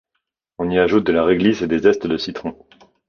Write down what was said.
On y ajoute de la réglisse et des zestes de citron.